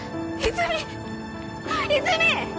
泉！